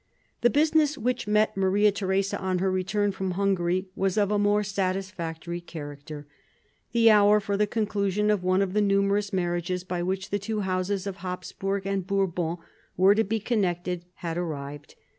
The business which met Maria Theresa on her return from Hungary was of a more satisfactory character. The hour for the conclusion of one of the numerous marriages by which the two Houses of Hapsburg and Bourbon were to be connected had arrived.